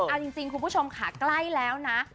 เอาจริงคุณผู้ชมค่ะใกล้แล้วนะ